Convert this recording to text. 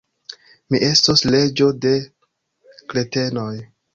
Mi estos reĝo de kretenoj!